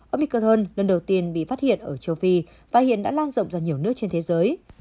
omican lần đầu tiên bị phát hiện ở châu phi và hiện đã lan rộng ra nhiều nước trên thế giới